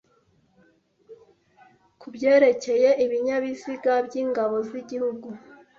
kubyerekeye ibinyabiziga by'ingabo z'igihugu,